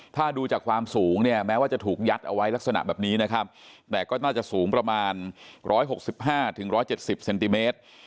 ถ้าดูจากความสูงเนี่ยแม้ว่าจะถูกยัดเอาไว้ลักษณะแบบนี้นะครับแต่ก็น่าจะสูงประมาณ๑๖๕๑๗๐เซนติเมตร